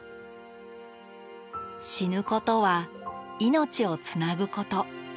死ぬことは命をつなぐこと。